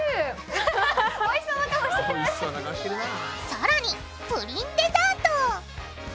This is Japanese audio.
さらにプリンデザート！